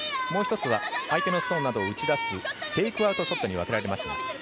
もう１つは相手のストーンなどを打ち出すテイクアウトショットに分けられます。